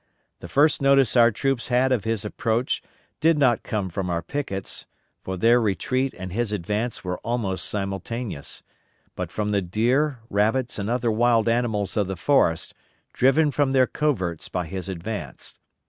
The first notice our troops had of his approach did not come from our pickets for their retreat and his advance were almost simultaneous but from the deer, rabbits, and other wild animals of the forest, driven from their coverts by his advance.